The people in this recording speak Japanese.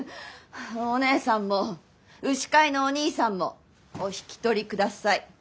お姉さんも牛飼いのお兄さんもお引き取りください。